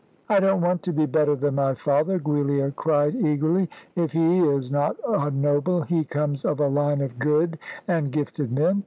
"I don't want to be better than my father!" Giulia cried eagerly. "If he is not a noble, he comes of a line of good and gifted men.